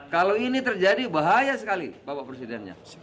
kalau ini terjadi bahaya sekali bapak presidennya